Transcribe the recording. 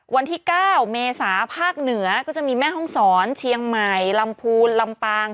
วันที่๙เมษาภาคเหนือก็จะมีแม่ห้องศรเชียงใหม่ลำพูนลำปาง